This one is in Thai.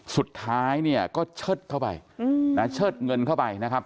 สุดท้ายเนี่ยก็เชิดเข้าไปนะเชิดเงินเข้าไปนะครับ